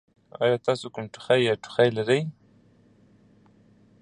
ایا تاسو کوم ټوخی یا ټوخی لرئ؟